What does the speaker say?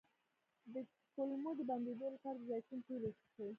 د کولمو د بندیدو لپاره د زیتون تېل وڅښئ